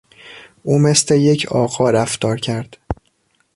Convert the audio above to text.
او مثل یک آقا رفتار کرد.